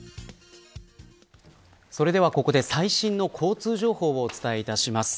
それではここで最新の交通情報をお伝えいたします。